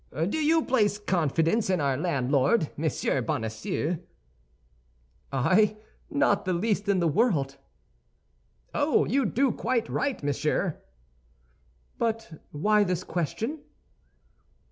"Do you place confidence in our landlord—Monsieur Bonacieux?" "I? Not the least in the world." "Oh, you do quite right, monsieur." "But why this question?"